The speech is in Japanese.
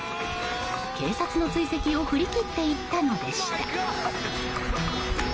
警察の追跡を振り切っていったのでした。